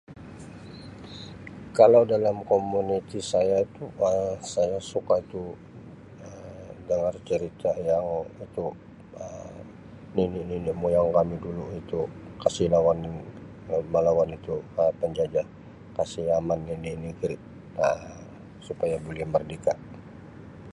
Kalau dalam komuniti saya tu Um saya suka tu Um dengar cerita yang itu Um nenek-nenek moyang kami dulu itu kasi lawan melawan itu penjajah kasi aman ini negeri Um supaya boleh merdeka.